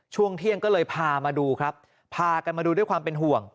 ช่วงเที่ยงก็เลยพามาดูครับพากันมาดูด้วยความเป็นห่วง